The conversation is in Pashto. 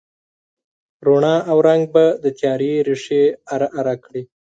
رڼا او رنګ به د تیارې ریښې اره، اره کړي